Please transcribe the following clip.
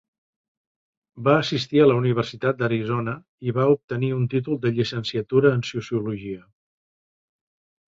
Va assistir a la Universitat d'Arizona i va obtenir un títol de llicenciatura en sociologia.